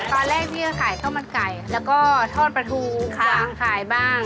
ตอนแรกพี่ก็ขายข้าวมันไก่แล้วก็ทอดปลาทูวางขายบ้าง